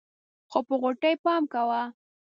خو په غوټۍ پام کوه.